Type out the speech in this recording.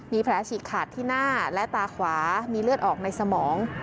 มีแผลฉีกขาดที่หน้าและตาขวามีเลือดออกในสมอง